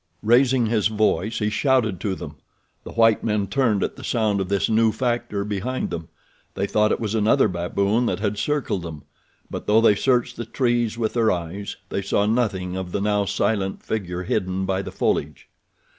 Raising his voice he shouted to them. The white men turned at the sound of this new factor behind them. They thought it was another baboon that had circled them; but though they searched the trees with their eyes they saw nothing of the now silent figure hidden by the foliage.